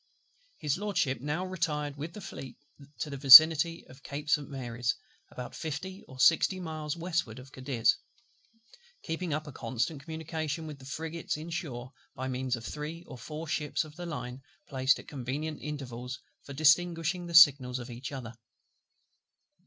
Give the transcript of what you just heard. His LORDSHIP now retired with the Fleet to the vicinity of Cape St. Mary's, about fifty or sixty miles westward of Cadiz; keeping up a constant communication with the frigates in shore, by means of three or four ships of the line placed at convenient intervals for distinguishing the signals of each other.